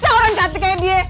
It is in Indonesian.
masa orang cantik kaya dia